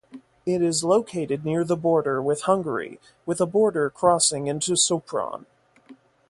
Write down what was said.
It is located near the border with Hungary with a border crossing into Sopron.